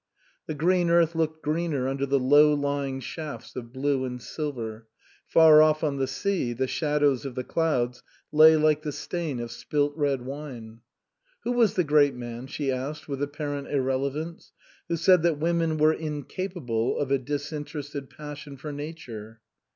The green earth looked greener under the low lying shafts of blue and silver ; far off, on the sea, the shadows of the clouds lay like the stain of spilt red wine. " Who was the great man ?" she asked with apparent irrelevance, " who said that women were incapable of a disinterested passion for nature